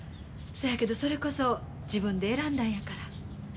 そやけどそれこそ自分で選んだんやから。